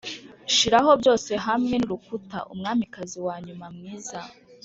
shiraho byose hamwe nurukuta, umwamikazi wanyuma mwiza